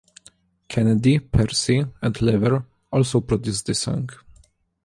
Kennedy, Percy and Lever also produced the song.